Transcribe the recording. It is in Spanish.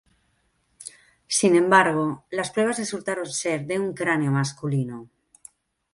Sin embargo, las pruebas resultaron ser de un cráneo masculino.